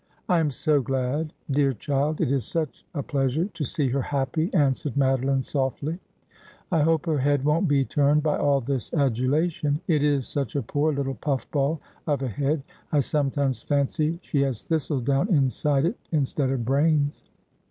' I am so glad. Dear child ! It is such a pleasure to see her happy,' answered Madeline softly. ' I hope her head won't be turned by all this adulation. It is such a poor little puff ball of a head. I sometimes fancy she has thistledown inside it instead of brains.'